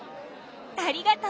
ありがとう。